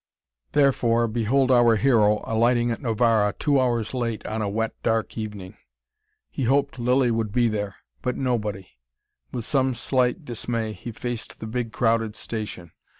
Therefore behold our hero alighting at Novara, two hours late, on a wet, dark evening. He hoped Lilly would be there: but nobody. With some slight dismay he faced the big, crowded station.